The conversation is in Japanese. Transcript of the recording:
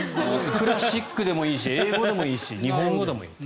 クラシックでもいいし英語でもいいし日本語でもいい。